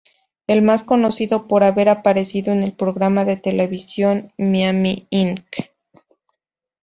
Es más conocido por haber aparecido en el programa de televisión "Miami Ink".